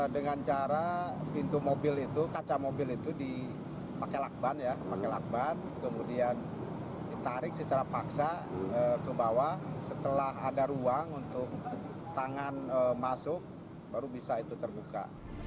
dengan cara pintu mobil itu kaca mobil itu dipakai lakban ya pakai lakban kemudian ditarik secara paksa ke bawah setelah ada ruang untuk tangan masuk baru bisa itu terbuka